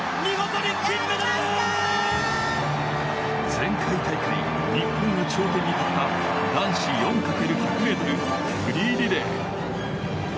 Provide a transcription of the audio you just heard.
前回大会、日本の頂点に立った男子４×１００ｍフリーリレー。